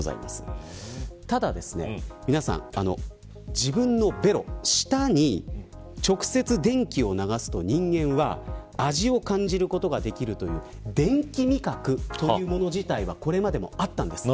自分の舌に直接、電気を流すと人間は味を感じることができるという電気味覚というもの自体はこれまでにもありました。